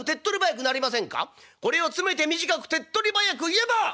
「これを詰めて短く手っとり早く言えば！